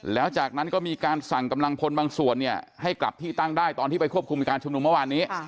แล้วจากนั้นก็มีการสั่งกำลังพลบางส่วนเนี่ยให้กลับที่ตั้งได้ตอนที่ไปควบคุมการชุมนุมเมื่อวานนี้